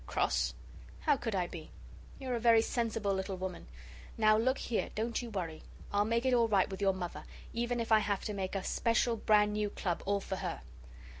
"Cross? How could I be? You're a very sensible little woman. Now look here, don't you worry. I'll make it all right with your Mother, even if I have to make a special brand new Club all for her.